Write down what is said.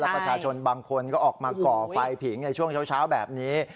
ประชาชนบางคนก็ออกมาก่อไฟผิงในช่วงเช้าแบบนี้